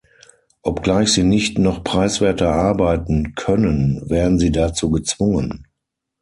Obgleich sie nicht noch preiswerter arbeiten können, werden sie dazu gezwungen.